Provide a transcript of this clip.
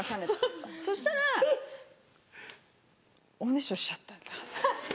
そしたら「おねしょしちゃったんだ」。